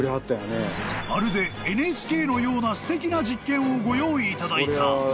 ［まるでＮＨＫのようなすてきな実験をご用意いただいた］